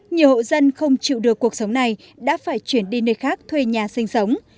nhiều hộ dân không chịu được cuộc sống này đã phải chuyển đi nơi khác thuê nhà sinh sống